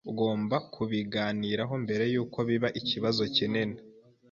Ugomba kubiganiraho mbere yuko biba ikibazo kinini.